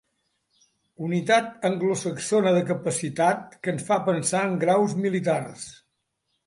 Unitat anglosaxona de capacitat que ens fa pensar en graus militars.